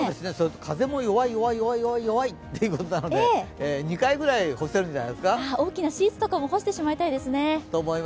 風も弱い、弱い、弱い、弱いということですので２回ぐらい干せるんじゃないですか大きなシーツとかも干してしまいたいですね。